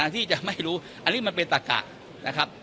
ที่จะไม่รู้อันนี้มันเป็นตะกะนะครับ